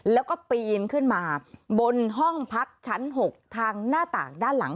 แล้วก็ปีนขึ้นมาบนห้องพักชั้น๖ทางหน้าต่างด้านหลัง